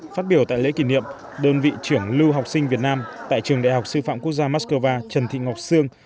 phát biểu tại lễ kỷ niệm đơn vị trưởng lưu học sinh việt nam tại trường đại học sư phạm quốc gia moscow trần thị ngọc sương